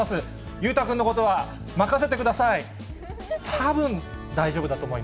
裕太君のことは任せてください。